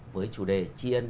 với chủ đề tri ân